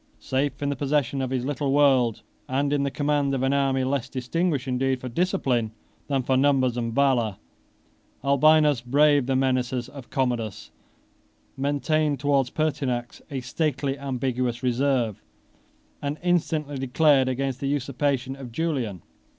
Safe in the possession of his little world, and in the command of an army less distinguished indeed for discipline than for numbers and valor, 19 Albinus braved the menaces of Commodus, maintained towards Pertinax a stately ambiguous reserve, and instantly declared against the usurpation of Julian.